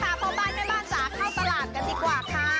พ่อบ้านแม่บ้านจ๋าเข้าตลาดกันดีกว่าค่ะ